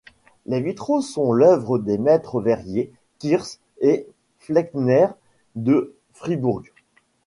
Les vitraux sont l’œuvre des maîtres verriers Kirsch et Fleckner, de Fribourg.